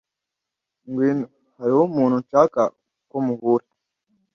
Ngwino. Hariho umuntu nshaka ko muhura.